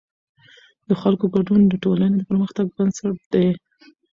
د خلکو ګډون د ټولنې د پرمختګ بنسټ دی